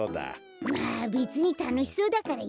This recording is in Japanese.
まあべつにたのしそうだからいいか！